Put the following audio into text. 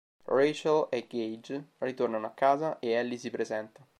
Rachel e Gage ritornano a casa e Ellie si presenta.